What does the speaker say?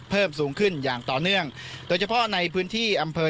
เพิ่มสูงขึ้นอย่างต่อเนื่องโดยเฉพาะในพื้นที่อำเภอ